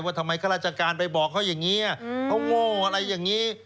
ทำไมข้าราชการไปบอกเขาอย่างนี้เขาโง่อะไรอย่างนี้